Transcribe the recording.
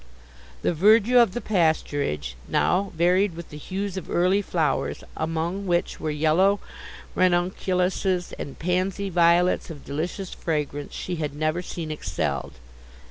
The verdure of the pasturage, now varied with the hues of early flowers, among which were yellow ranunculuses and pansey violets of delicious fragrance, she had never seen excelled.